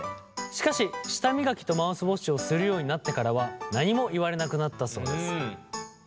しかし舌磨きとマウスウォッシュをするようになってからは何も言われなくなったそうです。